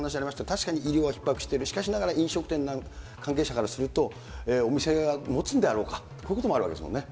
確かに医療はひっ迫している、しかしながら飲食店の関係者からすると、お店がもつんであろうか、こういうこともあるわけですもんね。